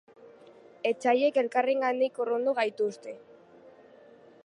Etsaiek elkarrengandik urrundu gaituzte.